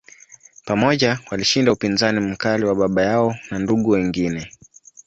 Pamoja, walishinda upinzani mkali wa baba yao na ndugu wengine.